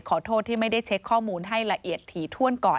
ขอโทษที่ไม่ได้เช็คข้อมูลให้ละเอียดถี่ถ้วนก่อน